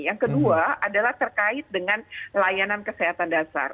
yang kedua adalah terkait dengan layanan kesehatan dasar